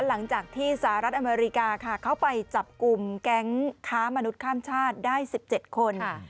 หลังจากที่สหรัฐอเมริกาค่ะเข้าไปจับกลุ่มแก๊งค้ามนุษย์ข้ามชาติได้๑๗คน